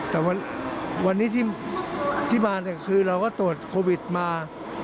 แต่วันนี้ที่มาคือเราก็ตรวจโควิดมา